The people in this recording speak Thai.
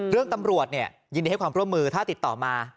ตำรวจยินดีให้ความร่วมมือถ้าติดต่อมา